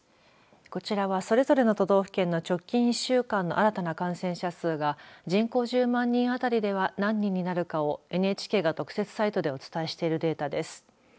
こちらはそれぞれの都道府県の直近１週間の新たな感染者数が人口１０万人当たりでは何人になるかをＮＨＫが特設サイトでお伝えしているデータです。